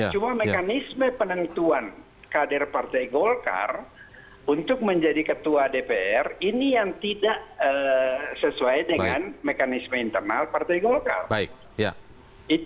cuma mekanisme penentuan kader partai golkar untuk menjadi ketua dpr ini yang tidak sesuai dengan mekanisme internal partai golkar